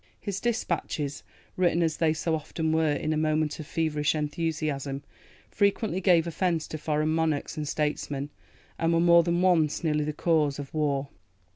His dispatches, written as they so often were in a moment of feverish enthusiasm, frequently gave offence to foreign monarchs and statesmen, and were more than once nearly the cause of war.